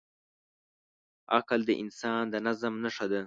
عقل د انسان د نظم نښه ده.